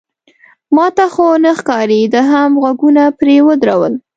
ما ته خو نه ښکاري، ده هم غوږونه پرې ودرول.